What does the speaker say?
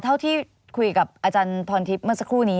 เท่าที่คุยกับอาจารย์พรทิพย์เมื่อสักครู่นี้